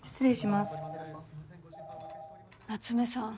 夏目さん